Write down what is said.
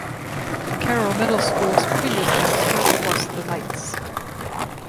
Carroll Middle School's previous mascot was the Knights.